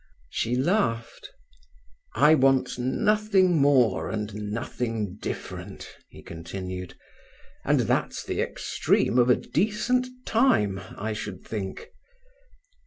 She laughed. "I want nothing more and nothing different," he continued; "and that's the extreme of a decent time, I should think."